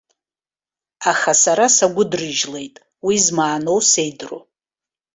Аха сара сагәыдрыжьлеит, уи змааноу сеидру?